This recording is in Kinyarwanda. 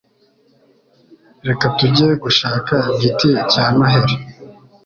Reka tujye gushaka igiti cya Noheri